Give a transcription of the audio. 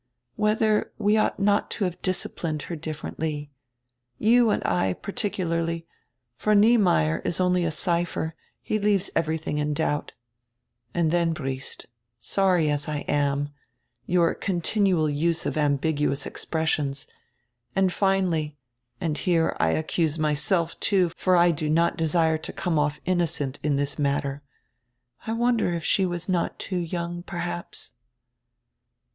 " Whether we ought not to have disciplined her differ ently. You and I particularly, for Niemeyer is only a cipher; he leaves everything in doubt And then, Briest, sorry as I am — your continual use of ambiguous expres sions — and finally, and here I accuse myself too, for I do not desire to come off innocent in this matter, I wonder if she was not too young, perhaps?"